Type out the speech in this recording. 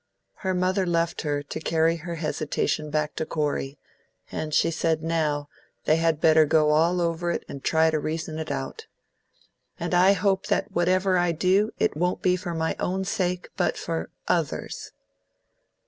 Her mother left her to carry her hesitation back to Corey, and she said now, they had better go all over it and try to reason it out. "And I hope that whatever I do, it won't be for my own sake, but for others!"